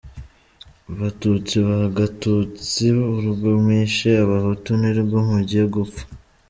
Batutsi ba Gatutsi, urwo mwishe abahutu nirwo mugiye gupfa.